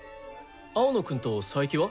青野くんと佐伯は？